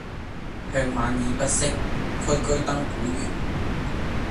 向晚意不適，驅車登古原。